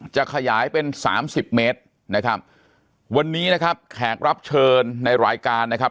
จะขยายเป็นสามสิบเมตรนะครับวันนี้นะครับแขกรับเชิญในรายการนะครับ